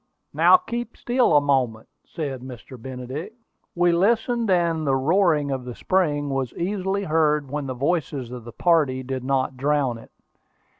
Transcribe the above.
"Now keep still a moment," said Mr. Benedict. We listened, and the roaring of the spring was easily heard when the voices of the party did not drown it.